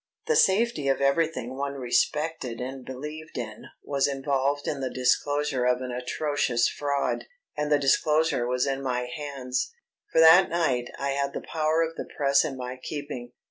The safety of everything one respected and believed in was involved in the disclosure of an atrocious fraud, and the disclosure was in my hands. For that night I had the power of the press in my keeping.